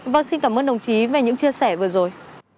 vâng xin cảm ơn đồng chí về những chia sẻ vừa rồi